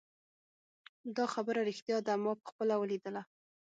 دا خبره ریښتیا ده ما پخپله ولیدله